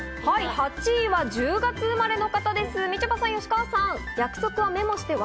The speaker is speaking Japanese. ８位は１０月生まれの方です、みちょぱさん、吉川さん。